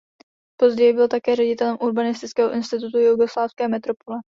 Později byl také ředitelem urbanistického institutu jugoslávské metropole.